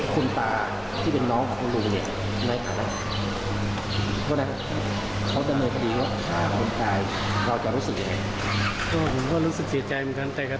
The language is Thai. ก็ขอให้เป็นหน้าที่ของตำรวจนะครับ